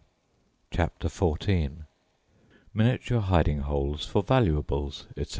CHAPTER XIV MINIATURE HIDING HOLES FOR VALUABLES, ETC.